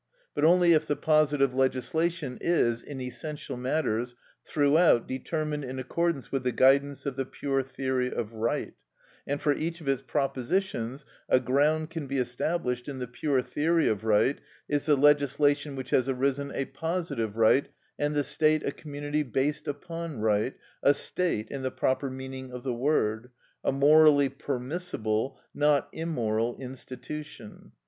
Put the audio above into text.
But only if the positive legislation is, in essential matters, throughout determined in accordance with the guidance of the pure theory of right, and for each of its propositions a ground can be established in the pure theory of right, is the legislation which has arisen a positive right and the state a community based upon right, a state in the proper meaning of the word, a morally permissible, not immoral institution.